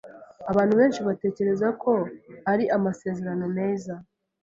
Abantu benshi batekerezaga ko ari amasezerano meza.